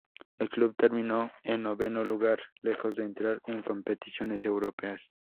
El club terminó en noveno lugar, lejos de entrar en competiciones europeas.